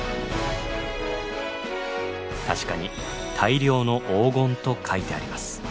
確かに「大量の黄金」と書いてあります。